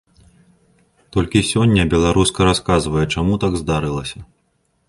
Толькі сёння беларуска расказвае, чаму так здарылася.